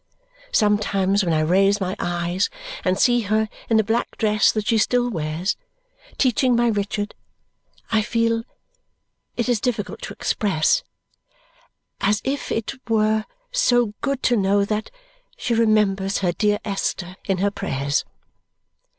Sometimes when I raise my eyes and see her in the black dress that she still wears, teaching my Richard, I feel it is difficult to express as if it were so good to know that she remembers her dear Esther in her prayers.